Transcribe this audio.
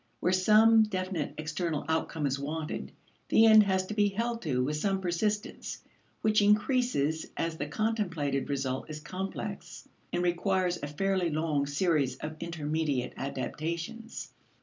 Where some definite external outcome is wanted, the end has to be held to with some persistence, which increases as the contemplated result is complex and requires a fairly long series of intermediate adaptations.